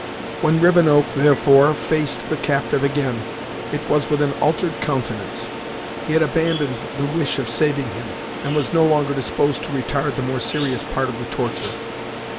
When Rivenoak, therefore, faced the captive again, it was with an altered countenance. He had abandoned the wish of saving him, and was no longer disposed to retard the more serious part of the torture.